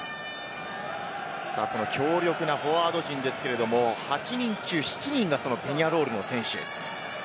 強力なフォワード陣ですけれども、８人中７人がペニャロールの選手。